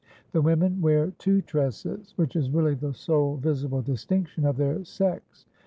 The women wear two tresses, which is really the sole visible distinction of their sex.